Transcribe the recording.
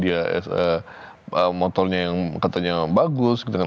dia motornya yang katanya bagus